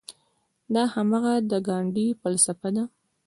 دا هماغه د ګاندي فلسفه ده.